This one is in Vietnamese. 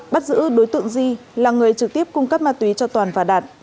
bắt giữ đối tượng di là người trực tiếp cung cấp ma túy cho toàn và đạt